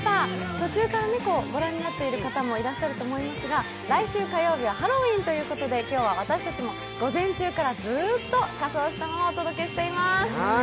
途中からご覧になっている方もいらっしゃると思いますが、来週火曜日はハロウィーンということで今日は私たちも午前中からずっと仮装したままお届けしています。